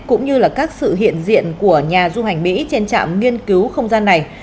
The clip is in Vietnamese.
cũng như là các sự hiện diện của nhà du hành mỹ trên trạm nghiên cứu không gian này